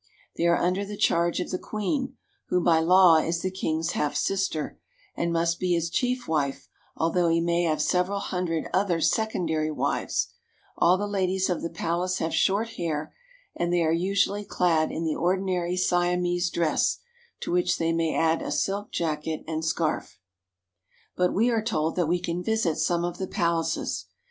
They are under the charge of the queen, who by law is the 196 THE KING OF SIAM AND HIS GOVERNMENT king's half sister, and must be his chief wife, although he may have several hundred other secondary wives. All the ladies of the palace have short hair, and they are usually clad in the ordinary Siamese dress, to which they may add a silk jacket and scarf. But we are told we can visit some of the palaces.